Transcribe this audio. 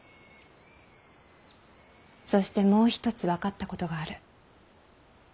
そしてもう一つ分かったことがある。